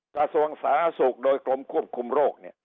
สะสวงสหาศุกร์โดยกลมควบคุมโรค